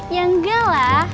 ya nggak lah